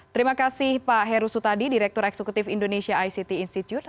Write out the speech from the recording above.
terima kasih pak heru sutadi direktur eksekutif indonesia ict institute